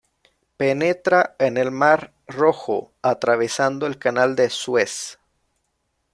Penetra en el mar Rojo atravesando el canal de Suez.